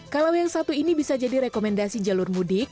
kalau yang satu ini bisa jadi rekomendasi jalur mudik